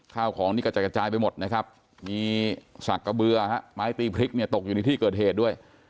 ข้าวของนี่กระจัดกระจายไปหมดนะครับมีสักกระเบือฮะไม้ตีพริกเนี่ยตกอยู่ในที่เกิดเหตุด้วย